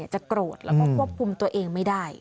จะโกรธแล้วก็ควบคุมตัวเองไม่ได้